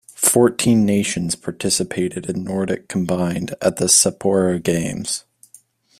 Fourteen nations participated in nordic combined at the Sapporo Games.